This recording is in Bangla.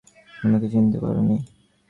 আমাকে চিনতে পারোনি?